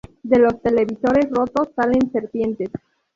De los televisores rotos salen serpientes.